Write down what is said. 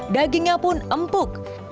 dagingnya pun empuk